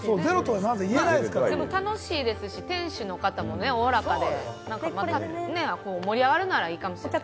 でも楽しいですし、店主の方もおおらかで盛り上がるならいいかもしれないですね。